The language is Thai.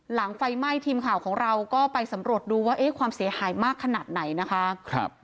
ไฟไหม้ทีมข่าวของเราก็ไปสำรวจดูว่าเอ๊ะความเสียหายมากขนาดไหนนะคะ